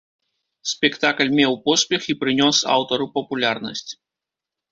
Спектакль меў поспех і прынёс аўтару папулярнасць.